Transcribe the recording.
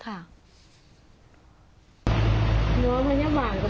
ตอนนั้นมันยังไม่ถึงเวลาทำงาน